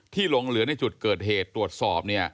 หลงเหลือในจุดเกิดเหตุตรวจสอบ